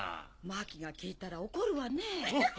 マキが聞いたら怒るわね。